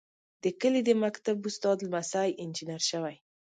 د کلي د مکتب استاد لمسی انجنیر شوی.